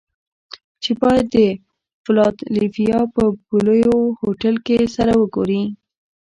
چې بايد د فلادلفيا په بلوويو هوټل کې سره وګوري.